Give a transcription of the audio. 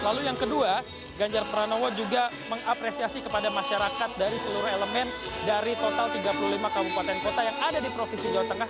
lalu yang kedua ganjar pranowo juga mengapresiasi kepada masyarakat dari seluruh elemen dari total tiga puluh lima kabupaten kota yang ada di provinsi jawa tengah